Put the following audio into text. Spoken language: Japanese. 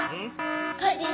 かいじん